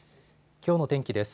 きょうの天気です。